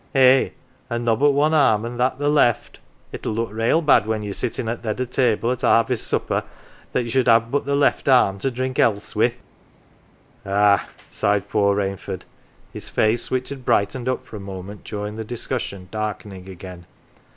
" Eh, an' nobbut one arm, an' that the left ! It'll look rale bad when ye're sittin' at th' head o' th' table at harvest supper that ye should have but the left arm to drink 'ealths wi' !"" Ah !" sighed poor Rainford, his face, which had brightened up for a moment during the discussion, darkening again.